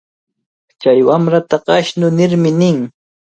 Chay wamrataqa ashnu nirmi nin.